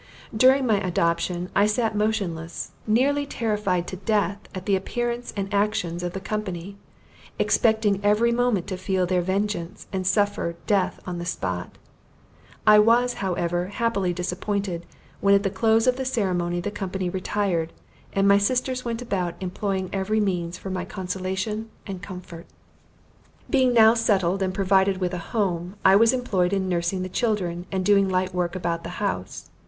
During my adoption, I sat motionless, nearly terrified to death at the appearance and actions of the company, expecting every moment to feel their vengeance, and suffer death on the spot. I was, however, happily disappointed, when at the close of the ceremony the company retired, and my sisters went about employing every means for my consolation and comfort. Being now settled and provided with a home, I was employed in nursing the children, and doing light work about the house.